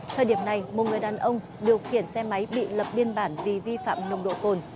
thời điểm này một người đàn ông điều khiển xe máy bị lập biên bản vì vi phạm nồng độ cồn